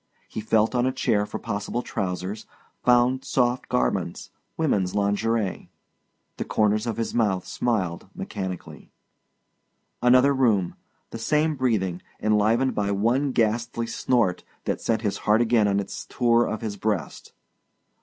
He felt on a chair for possible trousers, found soft garments, women's lingerie. The corners of his mouth smiled mechanically. Another room ... the same breathing, enlivened by one ghastly snort that sent his heart again on its tour of his breast.